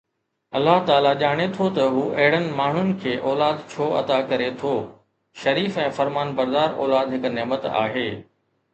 الله تعاليٰ ڄاڻي ٿو ته هو اهڙن ماڻهن کي اولاد ڇو عطا ڪري ٿو، شريف ۽ فرمانبردار اولاد هڪ نعمت آهي